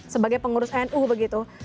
sebagai pengurus anu begitu